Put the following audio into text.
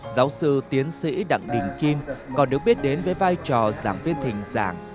giáo sư tiến sĩ đặng đình kim còn được biết đến với vai trò giảng viên thỉnh giảng